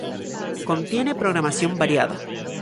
Contiene programación variada.